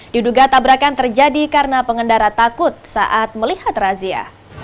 diduga tabrakan terjadi karena pengendara takut saat melihat razia